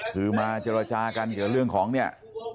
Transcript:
คือมาเจรจากันเกี่ยวเรื่องของเนี่ย